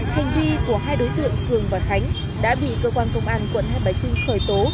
hành vi của hai đối tượng cường và khánh đã bị cơ quan công an quận hai bà trưng khởi tố